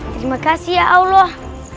terima kasih ya allah